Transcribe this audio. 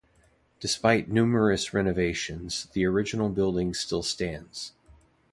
Despite numerous renovations, the original building still stands.